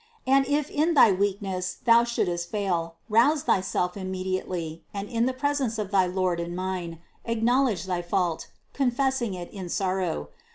And if in thy weakness thou shouldst fail, rouse thyself immediately, and in the presence of thy Lord and mine, acknowledge thy fault, confessing it in sorrow.